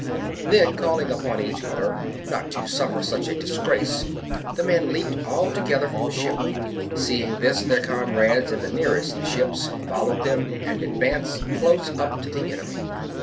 Then, calling upon each other not to suffer such a dis grace, the men leaped all together from the ship. Seeing this, their comrades in the nearest ships IV OF BRITAIN .117 followed them, and advanced close up to the 55 b.c. enemy.